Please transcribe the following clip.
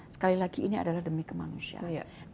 sekali lagi ini adalah demi kemanusiaan